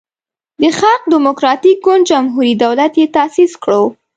د خلق دیموکراتیک ګوند جمهوری دولت یی تاسیس کړو.